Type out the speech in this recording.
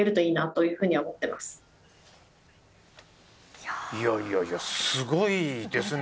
いやいやいやすごいですね